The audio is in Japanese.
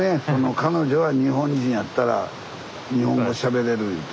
彼女が日本人やったら日本語しゃべれるいうて。